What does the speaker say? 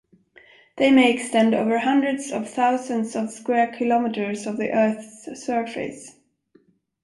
They may extend over hundreds of thousands of square kilometers of the Earth's surface.